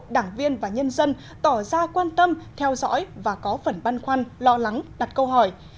đảng viên và nhân dân tỏ ra quan tâm theo dõi và có phần băn khoăn lo lắng đặt câu hỏi